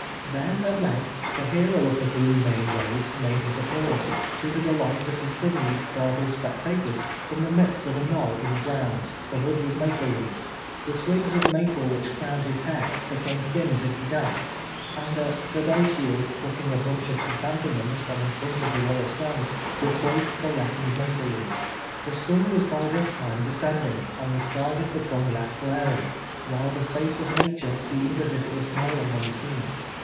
Then, at length, the hero of the "Blue Main Waves" made his appearance, to the delight of the suddenly startled spectators, from the midst of a knoll in the grounds, covered with maple leaves. The twigs of maple which crowned his head, became thinned as he danced, and a Sadaishiô, plucking a bunch of chrysanthemums from in front of the Royal stand, replaced the lessened maple leaves. The sun was by this time descending, and the sky had become less glaring, while the face of Nature seemed as if it were smiling on the scene.